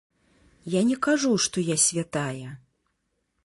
Я не кажу, што я святая.